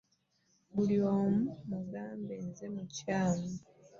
Buli omu omugamba nze mukyamu.